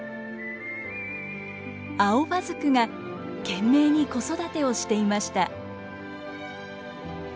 アオバズクが懸命に子育てをしていました。